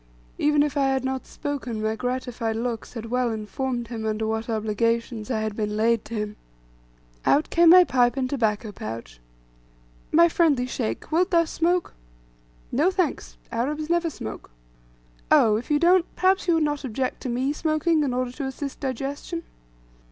Even if I had not spoken, my gratified looks had well informed him, under what obligations I had been laid to him. Out came my pipe and tobacco pouch. "My friendly Sheikh, wilt thou smoke?" "No, thanks! Arabs never smoke." "Oh, if you don't, perhaps you would not object to me smoking, in order to assist digestion?"